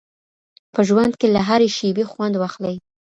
په ژوند کي له هرې شیبې خوند واخلئ.